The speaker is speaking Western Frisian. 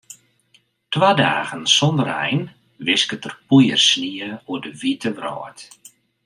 Twa dagen sonder ein wisket der poeiersnie oer de wite wrâld.